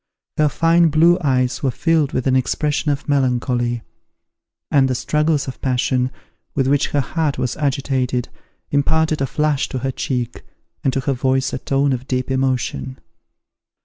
Her fine blue eyes were filled with an expression of melancholy; and the struggles of passion, with which her heart was agitated, imparted a flush to her cheek, and to her voice a tone of deep emotion.